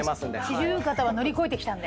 四十肩は乗り越えてきたんで。